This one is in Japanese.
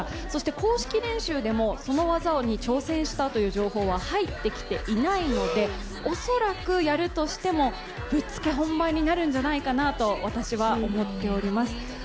そして公式練習でもその技に挑戦したという情報は入ってきていないので恐らくやるとしても、ぶっつけ本番になるんじゃないかなと私は思っています。